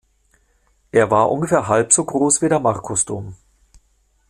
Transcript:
Er war ungefähr halb so groß wie der Markusdom.